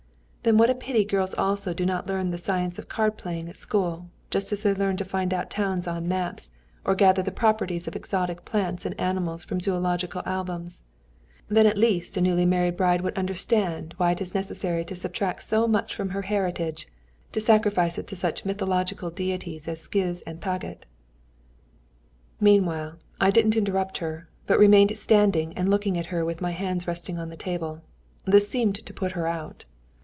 "Then what a pity girls also do not learn the science of card playing at school, just as they learn to find out towns on maps, or gather the properties of exotic plants and animals from zoological albums; then at least a newly married bride would understand why it is necessary to subtract so much from her heritage to sacrifice it to such mythological deities as skiz and pagát. ..." [Footnote 35: Terms used in Tarok.] Meanwhile I didn't interrupt her, but remained standing and looking at her with my hands resting on the table. This seemed to put her out.